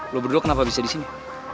lo berdua kenapa bisa disini